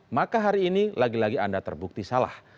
maka hari ini lagi lagi anda terbukti salah